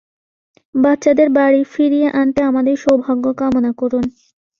বাচ্চাদের বাড়ি ফিরিয়ে আনতে আমাদের সৌভাগ্য কামনা করুন।